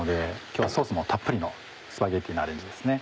今日はソースもたっぷりのスパゲティのアレンジですね。